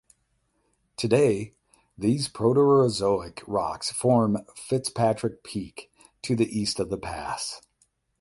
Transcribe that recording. Today these Proterozoic rocks form Fitzpatrick Peak to the east of the pass.